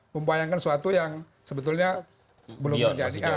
membayangkan sesuatu yang sebetulnya belum terjadi